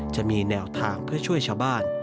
จะมีแนวทางเพื่อช่วยชาวบ้าน